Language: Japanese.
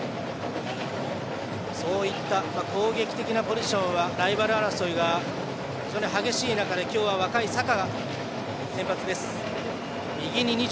そういった攻撃的なポジションは非常に激しい中で今日は若いサカが先発です。